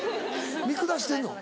見下してるの？